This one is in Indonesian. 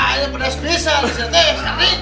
ini pedas bisa neng